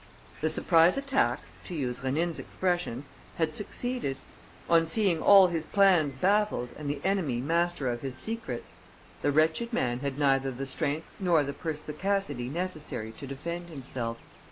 The surprise attack, to use Rénine's expression, had succeeded. On seeing all his plans baffled and the enemy master of his secrets, the wretched man had neither the strength nor the perspicacity necessary to defend himself.